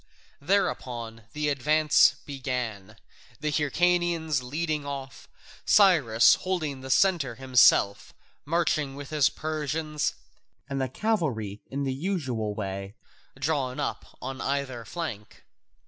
Thereupon the advance began, the Hyrcanians leading off, Cyrus holding the centre himself, marching with his Persians, and the cavalry in the usual way, drawn up on either flank.